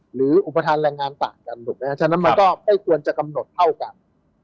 หรืออุปทานแรงงานต่างกันฉะนั้นมันก็ไม่ควรจะกำหนดเท่ากัน